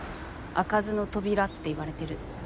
開かずの扉っていわれてる。